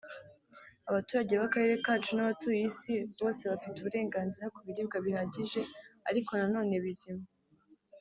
Abaturage b’akarere kacu n’abatuye Isi bose bafite uburenganzira ku biribwa bihagije ariko na none bizima